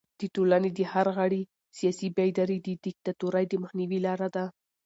د ټولنې د هر غړي سیاسي بیداري د دیکتاتورۍ د مخنیوي لاره ده.